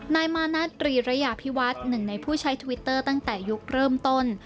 นายมานาตรีระยะพิวัฒน์หนึ่งในผู้ใช้ทวิตเตอร์ตั้งแต่ยุคเริ่มต้น